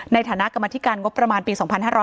ในฐานะกรรมธิการงบประมาณปี๒๕๕๙